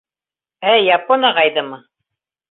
— Ә, Япон ағайҙымы?